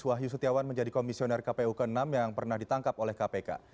wahyu setiawan menjadi komisioner kpu ke enam yang pernah ditangkap oleh kpk